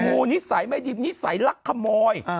นิสัยไม่ดีนิสัยลักขโมย